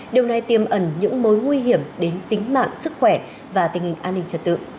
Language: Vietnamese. điều này tiêm ẩn những mối nguy hiểm đến tính mạng sức khỏe và tình hình an ninh trật tự